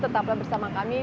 tetaplah bersama kami